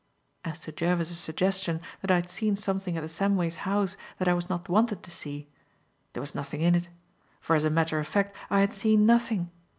As to Jervis's suggestion, that I had seen something at the Samways' house that I was not wanted to see, there was nothing in it; for, as a matter of fact, I had seen nothing.